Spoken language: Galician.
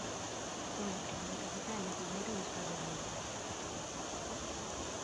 Foi a primeira capital e o primeiro bispado da Illa.